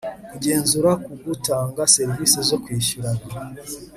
kugenzura ko ubw utanga serivisi zo kwishyurana